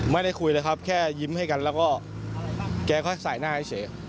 ไม่ได้คุยเลยครับแค่ยิ้มให้กันแล้วก็แกก็ใส่หน้าเฉย